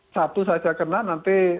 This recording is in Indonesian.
satu saja kena nanti